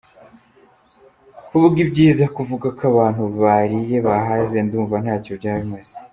Kuvuga ibyiza, kuvuga ko abantu bariye bahaze ndumva ntacyo byaba bimaze.